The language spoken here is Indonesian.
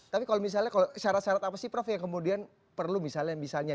tapi kalau misalnya syarat syarat apa sih prof yang kemudian perlu misalnya misalnya